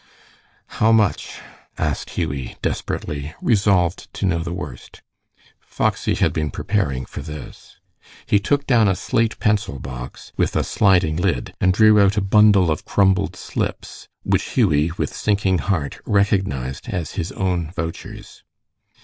"How much?" asked Hughie, desperately, resolved to know the worst. Foxy had been preparing for this. He took down a slate pencil box with a sliding lid, and drew out a bundle of crumbled slips which Hughie, with sinking heart, recognized as his own vouchers.